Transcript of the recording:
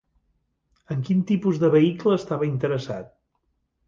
En quin tipus de vehicle estava interessat?